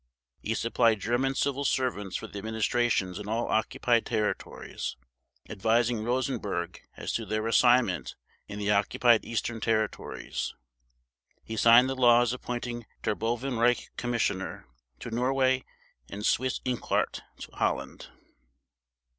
He supplied German civil servants for the administrations in all occupied territories, advising Rosenberg as to their assignment in the Occupied Eastern Territories. He signed the laws appointing Terboven Reich Commissioner to Norway and Seyss Inquart to Holland.